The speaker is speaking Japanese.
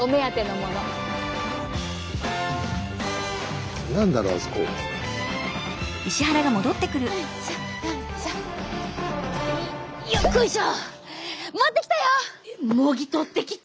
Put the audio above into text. もぎ取ってきた！